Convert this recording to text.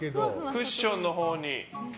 クッションのほうに。